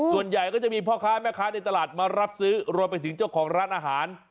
ส่วนใหญ่ก็จะมีพ่อค้าแม่ค้าในตลาดมารับซื้อรวมไปถึงเจ้าของร้านอาหาร